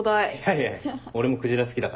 いやいや俺もクジラ好きだから。